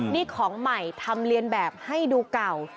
นี่ของใหม่ทำเรียนแบบให้ดูเก่า